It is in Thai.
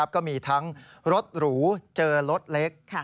ก็มีทั้งรถหรูเจอรถเล็ก